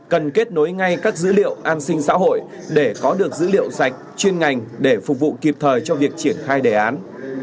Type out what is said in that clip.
cần kết nối ngay các dữ liệu an sinh xã hội để có được dữ liệu sạch chuyên ngành để phục vụ kịp thời cho việc triển khai đề án